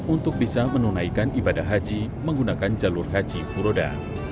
untuk bisa menunaikan ibadah haji menggunakan jalur haji furoda